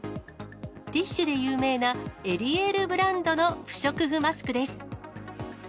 ティッシュで有名なエリエールブランドの不織布マスクです。